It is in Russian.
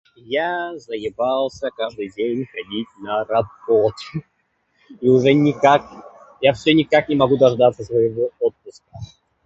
Я заебался каждый день ходить на работу.